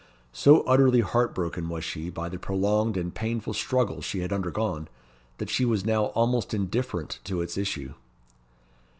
So utterly heart broken was she by the prolonged and painful struggle she had undergone, that she was now almost indifferent to its issue.